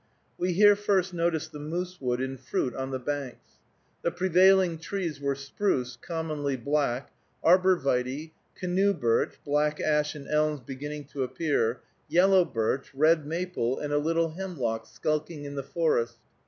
We here first noticed the moose wood in fruit on the banks. The prevailing trees were spruce (commonly black), arbor vitæ, canoe birch (black ash and elms beginning to appear), yellow birch, red maple, and a little hemlock skulking in the forest.